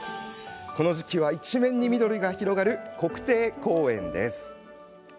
この時期、一面に緑が広がる国定公園です。